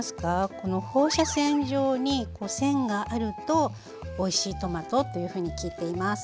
この放射線状にこう線があるとおいしいトマトというふうに聞いています。